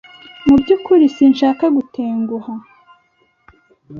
Mu byukuri sinshaka gutenguha